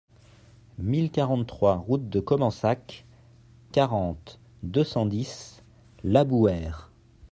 mille quarante-trois route de Commensacq, quarante, deux cent dix, Labouheyre